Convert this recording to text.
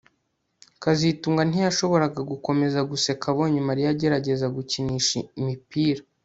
kazitunga ntiyashoboraga gukomeza guseka abonye Mariya agerageza gukinisha imipira